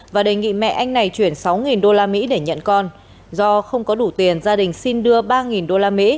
và đề nghị mẹ anh này chuyển sáu usd để nhận con do không có đủ tiền gia đình xin đưa ba usd